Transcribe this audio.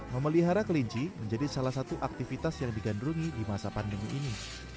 memelihara kelinci menjadi salah satu aktivitas yang digandrungi di masa pandemi ini